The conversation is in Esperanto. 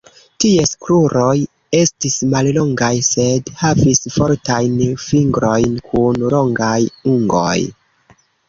Ties kruroj estis mallongaj, sed havis fortajn fingrojn kun longaj ungoj.